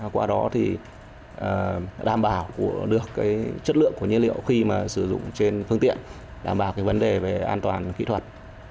qua đó thì đảm bảo được chất lượng của nhiên liệu khi mà sử dụng trên phương tiện đảm bảo cái vấn đề về an toàn kỹ thuật